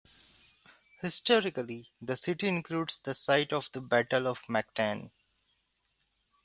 Historically, the city includes the site of the Battle of Mactan.